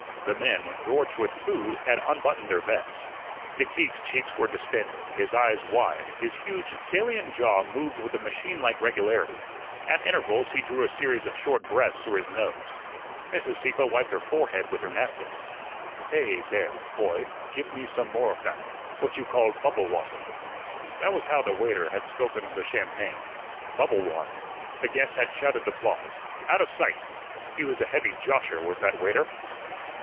The men, gorged with food, had unbuttoned their vests. McTeague's cheeks were distended, his eyes wide, his huge, salient jaw moved with a machine like regularity; at intervals he drew a series of short breaths through his nose. Mrs. Sieppe wiped her forehead with her napkin. "Hey, dere, poy, gif me some more oaf dat what you call 'bubble water.'" That was how the waiter had spoken of the champagne "bubble water." The guests had shouted applause, "Outa sight." He was a heavy josher was that waiter.